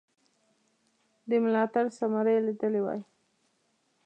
د ملاتړ ثمره یې لیدلې وای.